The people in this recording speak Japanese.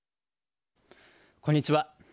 こんにちは。